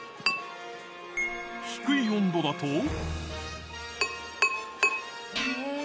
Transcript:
低い温度だと。